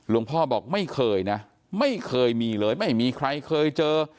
พ่อบอกไม่เคยนะไม่เคยมีเลยไม่มีใครเคยเจอ